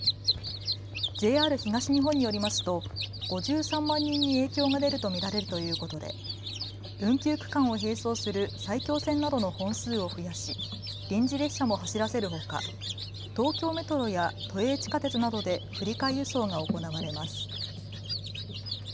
ＪＲ東日本によりますと５３万人に影響が出ると見られるということで運休区間を並走する埼京線などの本数を増やし、臨時列車も走らせるほか、東京メトロや都営地下鉄などで振り替え輸送が行われます。